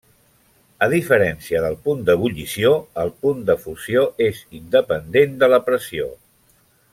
A diferència del punt d'ebullició, el punt de fusió és independent de la pressió.